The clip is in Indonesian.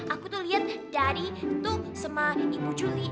aku tuh liat daddy tuh sama ibu juli